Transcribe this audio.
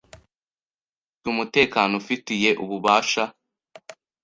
rushinzwe umutekano ubifitiye ububasha